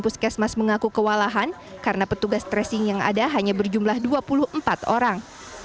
puskesmas mengaku kewalahan karena petugas tracing yang ada hanya berjumlah dua puluh empat orang